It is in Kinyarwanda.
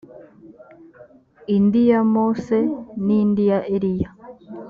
indi ya mose n indi ya eliya